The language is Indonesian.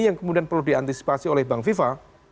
yang kemudian perlu diantisipasi oleh bang viva